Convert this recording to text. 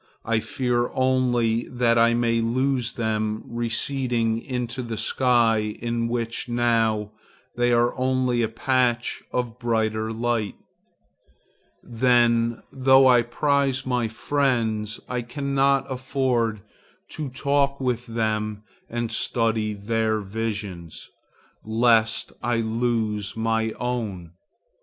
I fear only that I may lose them receding into the sky in which now they are only a patch of brighter light. Then, though I prize my friends, I cannot afford to talk with them and study their visions, lest I lose my own.